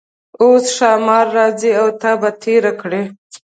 اوس ښامار راځي او تا به تیر کړي.